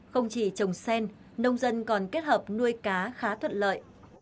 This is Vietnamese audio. không chỉ trồng sen nông dân còn kết hợp nuôi cá khá thuận lợi